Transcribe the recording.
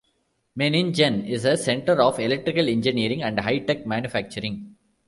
Meiningen is a center of electrical engineering and high-tech manufacturing.